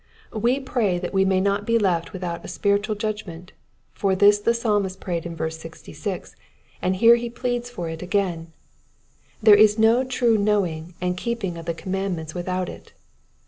We pray that we may not be left without a spiritual judgment : for this the Psalmist prayed in verse 66, and he here pleads for it again ; there is no true knowing and keeping of the commandments without it.